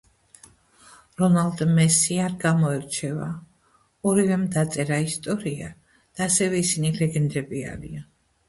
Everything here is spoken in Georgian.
რონალდ მესი არ გამოირჩევა ორივემ დაწერა იასტორია და ასევე ისინი ლეგენდები არიან